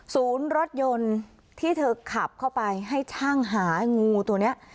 ศูนย์รถยนต์ที่เธอขับเข้าไปให้ช่างหางูตัวนี้